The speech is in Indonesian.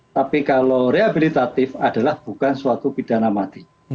tapi kalau rehabilitatif adalah bukan suatu pidana mati